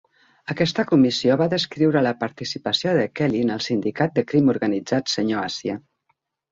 Aquesta comissió va descriure la participació de Kelly en el sindicat de crim organitzat senyor Àsia.